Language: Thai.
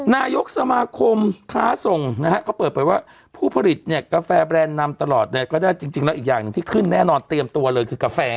นายกสมาคมค้าส่งนะฮะเขาเปิดเผยว่าผู้ผลิตเนี่ยกาแฟแรนด์นำตลอดเนี่ยก็ได้จริงแล้วอีกอย่างหนึ่งที่ขึ้นแน่นอนเตรียมตัวเลยคือกาแฟ